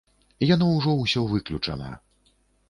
Яно ўжо ўсё выключана.